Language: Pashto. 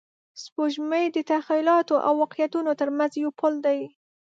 سپوږمۍ د تخیلاتو او واقعیتونو تر منځ یو پل دی